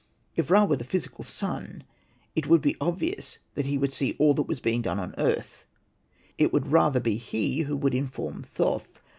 If Ra were the physical sun it would be obvious that he would see all that was being done on earth ; it would rather be he who would inform Thoth.